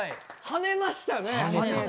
はねました。